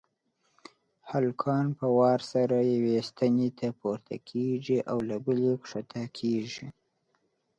هلکان په وار سره یوې ستنې ته پورته کېږي او له بلې کښته کېږي.